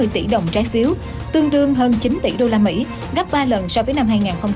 hai trăm một mươi bốn bốn trăm bốn mươi tỷ đồng trái phiếu tương đương hơn chín tỷ usd gấp ba lần so với năm hai nghìn hai mươi